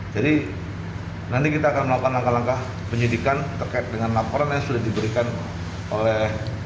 jadi nanti kita akan melakukan langkah langkah penyelidikan terkait dengan laporan yang sudah diberikan oleh